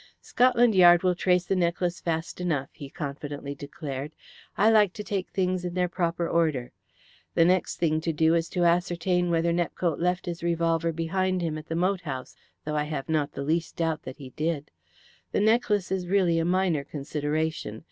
"Scotland Yard will trace the necklace fast enough," he confidently declared. "I like to take things in their proper order. The next thing to do is to ascertain whether Nepcote left his revolver behind him at the moat house, though I have not the least doubt that he did. The necklace is really a minor consideration.